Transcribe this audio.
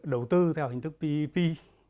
đầu tư theo hình thức ppp